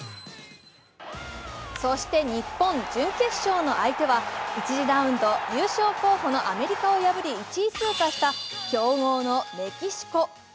そして日本準決勝の相手は１次ラウンド優勝候補のアメリカを破り１位通過した強豪のメキシコ。